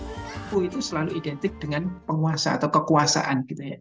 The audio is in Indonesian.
perpu itu selalu identik dengan penguasa atau kekuasaan